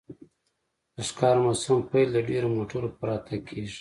د ښکار موسم پیل د ډیرو موټرو په راتګ کیږي